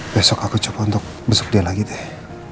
besok aku coba untuk besok dia lagi teh